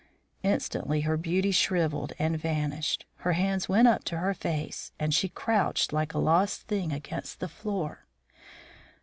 Instantly her beauty shrivelled and vanished. Her hands went up to her face; and she crouched like a lost thing against the floor.